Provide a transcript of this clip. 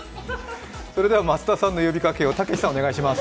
それでは増田さんの呼びかけを武さんお願いします。